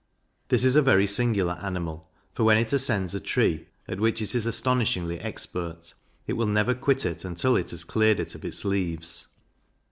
This is a very singular animal; for when it ascends a tree, at which it is astonishingly expert, it will never quit it until it has cleared it of its leaves.